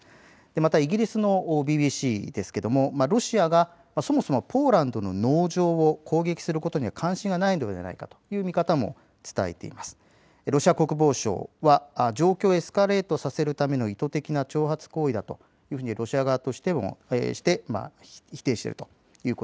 またイギリスのＢＢＣはロシアがポーランドの農場に攻撃をすることに関心はないのではないかと伝えていますがロシア国防省は状況をエスカレートさせるための意図的な挑発行為だとロシア側としては否定しています。